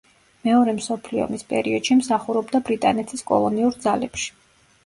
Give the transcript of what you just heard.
მეორე მსოფლიო ომის პერიოდში მსახურობდა ბრიტანეთის კოლონიურ ძალებში.